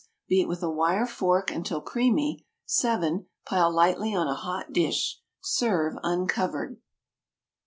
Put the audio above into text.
Beat with a wire fork until creamy. 7. Pile lightly on a hot dish. Serve uncovered.